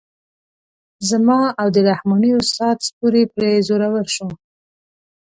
زما او د رحماني استاد ستوری پرې زورور شو.